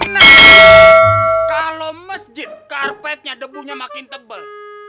nah kalau masjid karpetnya debunya makin tebal